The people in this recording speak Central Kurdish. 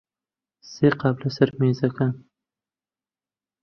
سێ قاپ لەسەر مێزەکەن.